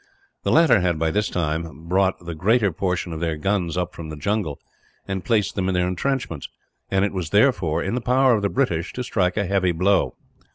The latter had, by this time, brought the greater portion of their guns up from the jungle, and placed them in their entrenchments; and it was therefore in the power of the British to strike a heavy blow.